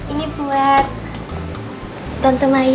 ini buat tante mayang sama mas randy